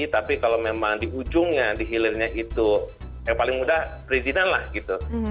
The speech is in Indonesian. tapi kalau memang di ujungnya di hilirnya itu yang paling mudah perizinan lah gitu